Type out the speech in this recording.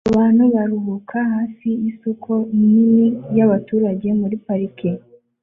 Abantu baruhuka hafi yisoko nini yabaturage muri parike